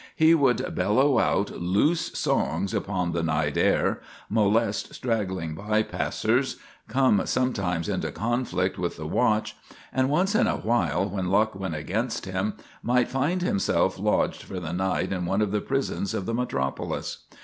He would bellow out loose songs upon the night air, molest straggling by passers, come sometimes into conflict with the watch, and once in a while, when luck went against him, might find himself lodged for the night in one of the prisons of the metropolis.